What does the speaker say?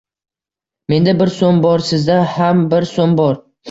Menda bir so’m bor. Sizda ham bir so’m bor.